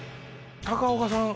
高岡さん